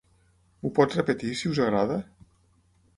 M'ho pot repetir, si us agrada?